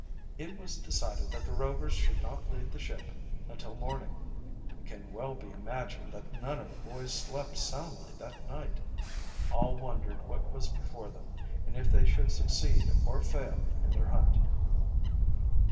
It was decided that the Rovers should not leave the ship until morning. It can well be imagined that none of the boys slept soundly that night. All wondered what was before them, and if they should succeed or fail in their hunt.